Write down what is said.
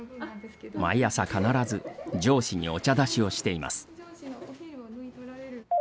毎朝、必ず上司にお茶出しをしています。